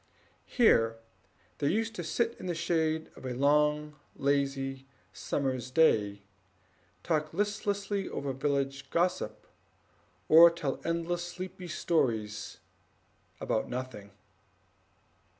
Here they used to sit in the shade through a long lazy summer's day, talking listlessly over village gossip, or telling endless sleepy stories about nothing.